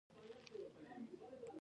مقننه څانګې څوکۍ یې انتصابي کړې.